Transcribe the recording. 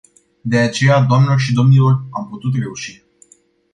De aceea, doamnelor și domnilor, am putut reuși.